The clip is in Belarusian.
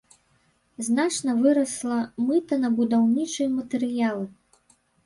Значна вырасла мыта на будаўнічыя матэрыялы.